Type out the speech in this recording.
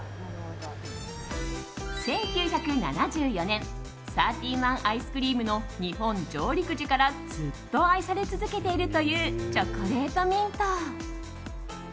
１９７４年、サーティーワンアイスクリームの日本上陸時からずっと愛され続けているというチョコレートミント。